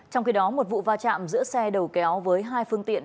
trong khi đó một vụ va chạm giữa xe đầu kéo với hai phương tiện